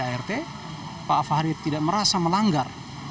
pak fahri tidak merasa melanggar undang undang pak fahri tidak merasa melanggar undang undang